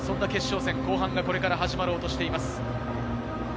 そんな決勝戦後半がこれから始まろうとしています。